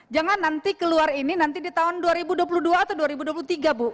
jangan nanti keluar ini nanti di tahun dua ribu dua puluh dua atau dua ribu dua puluh tiga bu